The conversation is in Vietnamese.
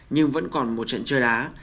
nhưng vẫn còn một trận chơi đá